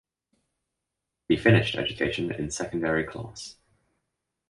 He finished education in secondary class.